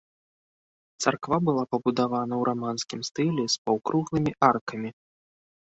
Царква была пабудавана ў раманскім стылі з паўкруглымі аркамі.